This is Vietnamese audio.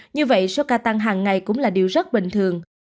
như vậy số ca tăng hàng ngày cũng là điều rất bình thường